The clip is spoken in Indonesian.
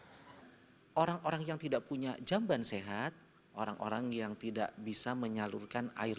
hai orang orang yang tidak punya jamban sehat orang orang yang tidak bisa menyalurkan air